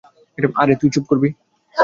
আরে, তুই চুপ করবি?